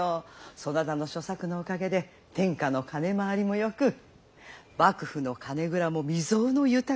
そなたの諸策のおかげで天下の金回りもよく幕府の金蔵も未曽有の豊かさ。